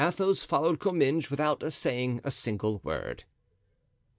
Athos followed Comminges without saying a single word.